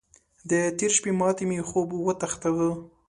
د تېرې شپې ماتې مې خوب وتښتاوو.